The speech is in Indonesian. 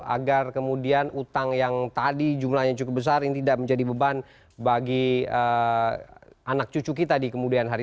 agar kemudian utang yang tadi jumlahnya cukup besar ini tidak menjadi beban bagi anak cucu kita di kemudian hari